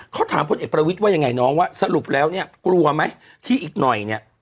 เขาถามพลเอกประวิทย์ว่ายังไงน้องว่าสรุปแล้วเนี่ยกลัวไหมที่อีกหน่อยเนี่ย